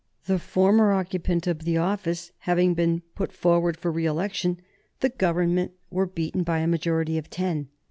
The former occupant of the office having been put forward for re election, the Government were beaten by a majority of ten.